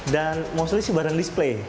dan mostly sih barang display